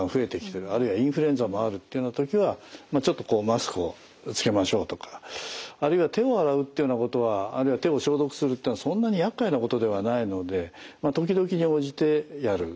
あるいはインフルエンザもあるっていうような時はちょっとこうマスクをつけましょうとかあるいは手を洗うというようなことはあるいは手を消毒するというのはそんなにやっかいなことではないので時々に応じてやる。